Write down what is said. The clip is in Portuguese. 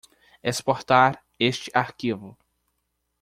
Exportar este arquivo.